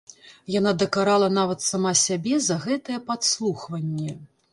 Яна дакарала нават сама сябе за гэтае падслухванне.